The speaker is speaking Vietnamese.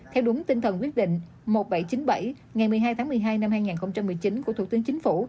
theo đúng tinh thần quyết định một nghìn bảy trăm chín mươi bảy ngày một mươi hai tháng một mươi hai năm hai nghìn một mươi chín của thủ tướng chính phủ